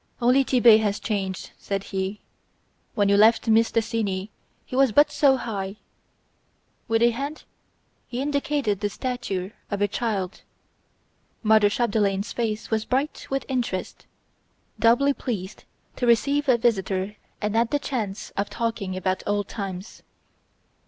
"Only Tit'Bé has changed," said he. "When you left Mistassini he was but so high..." With a hand he indicated the stature of a child. Mother Chapdelaine's face was bright with interest; doubly pleased to receive a visitor and at the chance of talking about old times.